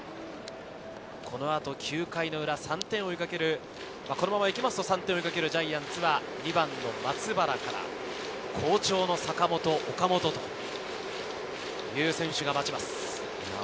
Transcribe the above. このあと９回の裏、３点を追いかけるジャイアンツは２番の松原から、好調の坂本、岡本という選手が待ちます。